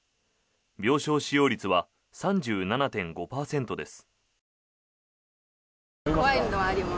病床使用率は３７．５％です。